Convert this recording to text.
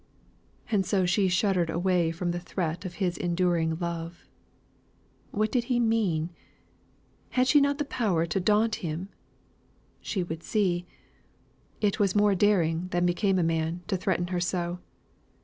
And so she shuddered away from the threat of his enduring love. What did he mean? Had she not the power to daunt him? She would see. It was more daring than became a man to threaten her so.